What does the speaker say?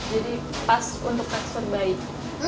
jadi pas untuk tekstur baik